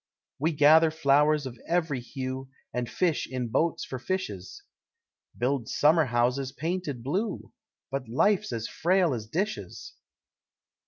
We gather flowers of every hue, And fish in boats for fishes, Build summer houses painted blue, But life's as frail as dishes!